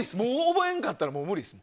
覚えんかったら無理です。